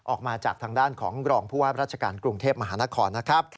ออกมาจากทางด้านของรองผู้ว่าราชการกรุงเทพมหานครนะครับ